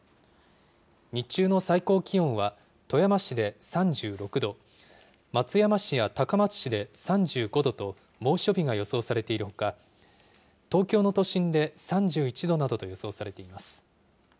日中の最高気温は、富山市で３６度、松山市や高松市で３５度と、猛暑日が予想されているほか、東京の都心で３１度などと予想されています。